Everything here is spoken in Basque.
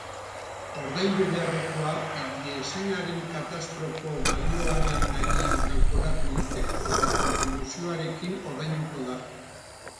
Ordaindu beharrekoa higiezinaren katastroko balioaren gainean kalkulatu dute, eta kontribuzioarekin ordainduko da.